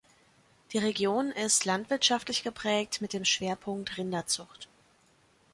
Die Region ist landwirtschaftlich geprägt mit dem Schwerpunkt Rinderzucht.